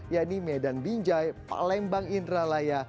yakni medan binjai palembang indralaya